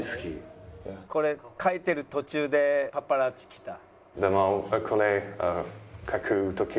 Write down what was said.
「これ描いてる途中でパパラッチ来た」。